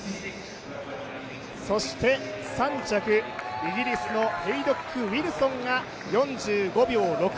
そして３着、イギリスのへイドック・ウィルソンが４５秒６２。